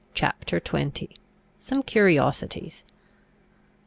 CHAPTER XX. SOME CURIOSITIES.